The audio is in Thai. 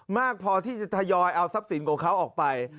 มากพอที่จะทยอยเอาทรัพย์สินของเขาออกไป